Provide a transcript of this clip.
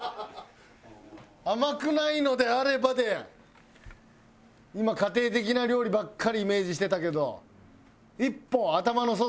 「甘くないのであれば」で今家庭的な料理ばっかりイメージしてたけど一歩頭の外